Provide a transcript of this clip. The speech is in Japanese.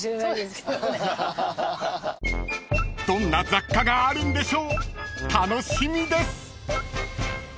［どんな雑貨があるんでしょう楽しみです］